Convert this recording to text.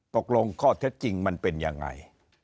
ตกลงข้อเท็จจริงมันเป็นยังไง